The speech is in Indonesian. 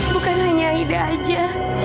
bukan hanya aida aja